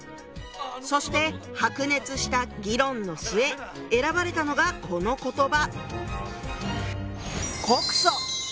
そして白熱した議論の末選ばれたのがこの言葉。